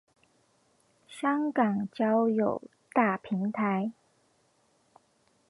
香港交友大平台